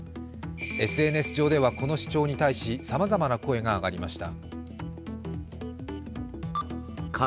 ＳＮＳ上ではこの主張に対しさまざまな声が上がりました。